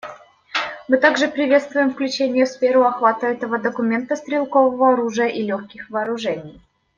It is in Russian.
Мы также приветствуем включение в сферу охвата этого документа стрелкового оружия и легких вооружений.